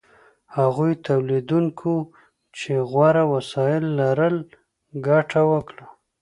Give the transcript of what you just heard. هغو تولیدونکو چې غوره وسایل لرل ګټه وکړه.